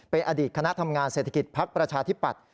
เป็นอดีตคณะทำงานเศรษฐกิจภักดิ์ประชาธิปัตย